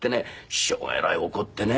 師匠がえらい怒ってね。